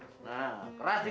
terus terus terus